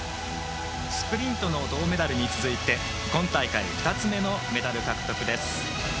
スプリントの銅メダルに続いて今大会２つ目のメダル獲得です。